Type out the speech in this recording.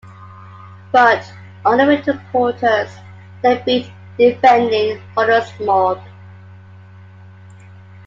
But on the way to the quarters they beat defending holders Molde.